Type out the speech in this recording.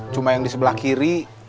cuma yang di sebelah kiri